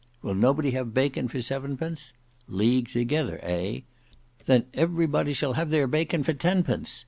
Will nobody have bacon for seven pence? Leagued together, eh! Then everybody shall have their bacon for ten pence.